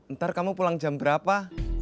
ntar kamu pulang jam berapa